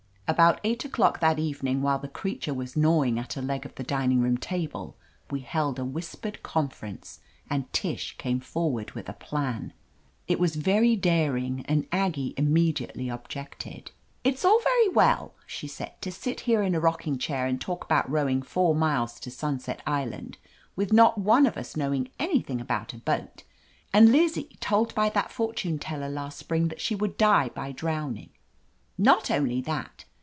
About eight o'clock that evening, while the creature was gnawing at a leg of the dining room table, we held a whispered conference, and Tish came forward with a plan. It was very daring, and Aggie immediately objected. "It's all very well," she said, "to sit here in a rocking chair and talk about rowing four miles to Sunset Island, with not one of us knowing anything about a boat, and Lizzie told by that fortune teller last spring that she would die by drowning. Not only that.